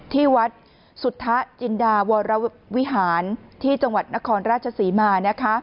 ที่วัดสุทธจินดาวรวิหารที่จังหวัดนครราชศรีมา